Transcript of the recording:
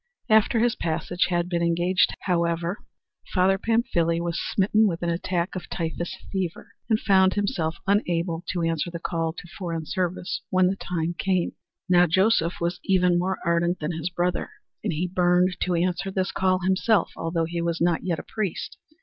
After his passage had been engaged, however, Father Pamphile was smitten with an attack of typhus fever, and found himself unable to answer the call to foreign service when the time came. Now Joseph was even more ardent than his brother, and he burned to answer this call himself, although he was not yet a priest.